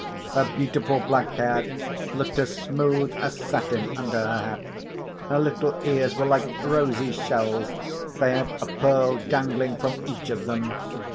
Her beautiful black hair looked as smooth as satin under her hat. Her little ears were like rosy shells—they had a pearl dangling from each of them.